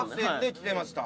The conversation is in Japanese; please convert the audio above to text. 来てました。